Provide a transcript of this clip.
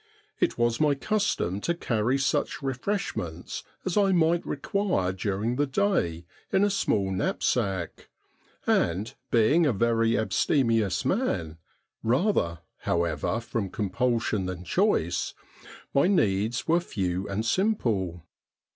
It was my custom to carry such refreshments as I might require during the day in a small knapsack, and, being a very abstemious man — rather, however, from compulsion than choice — my needs were few and simple.